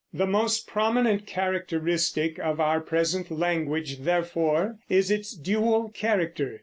The most prominent characteristic of our present language, therefore, is its dual character.